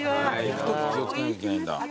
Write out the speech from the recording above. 行くとき気を付けなきゃいけないんだ。